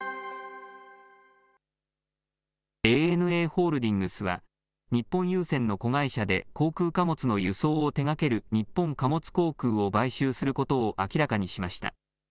ＡＮＡホールディングスは、日本郵船の子会社で、航空貨物の輸送を手がける日本貨物航空を買収することを明らかにしました。